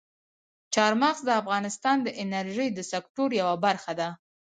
چار مغز د افغانستان د انرژۍ د سکتور یوه برخه ده.